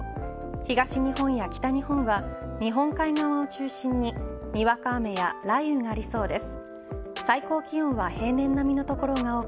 東日本や北日本は日本海側を中心ににわか雨や雷雨がありそうです。